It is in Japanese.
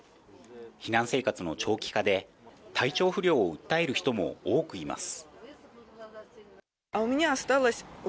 避難生活の長期化で体調不良を訴える人も多くいます。